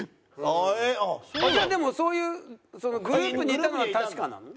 じゃあでもそういうグループにいたのは確かなの？